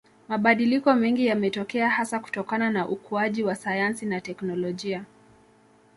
Mabadiliko mengi yametokea hasa kutokana na ukuaji wa sayansi na technolojia